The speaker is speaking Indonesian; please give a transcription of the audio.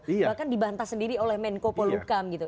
bahkan dibantah sendiri oleh menko polukam gitu